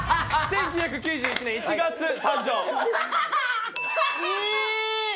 １９９１年１月誕生。え！？